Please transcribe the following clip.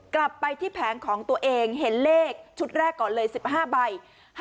กลับไปที่แผงของตัวเองเห็นเลขชุดแรกก่อนเลย๑๕ใบ